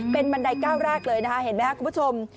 เป็นบันไดก้าวแรกเลยนะคะเห็นไหมครับคุณผู้ชม